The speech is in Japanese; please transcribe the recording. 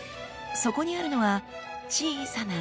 そこにあるのは小さな